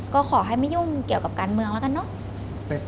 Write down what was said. ก็ขอให้ไม่ยุ่งเกี่ยวกับการเมืองแล้วกันเนอะ